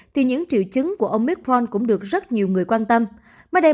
thì những triệu chứng của omicron cũng được phát triển